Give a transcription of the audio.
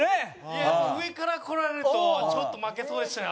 いやもう上から来られるとちょっと負けそうでしたね